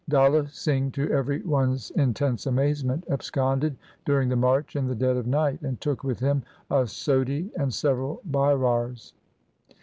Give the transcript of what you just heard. Dalla Singh to every one's intense amazement absconded during the march in the dead of night, and took with him a Sodhi and several Bairars.